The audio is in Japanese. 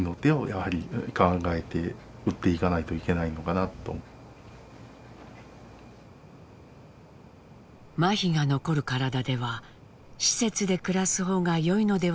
まひが残る体では施設で暮らす方がよいのではないかと考え始めていました。